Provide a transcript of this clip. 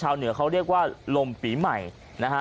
เหนือเขาเรียกว่าลมปีใหม่นะฮะ